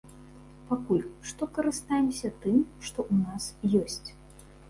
Пакуль што карыстаемся тым, што ў нас ёсць.